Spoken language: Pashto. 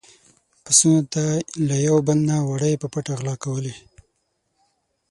پسونو له يو بل نه وړۍ په پټه غلا کولې.